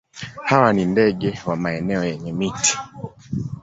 Hawa ni ndege wa maeneo yenye miti.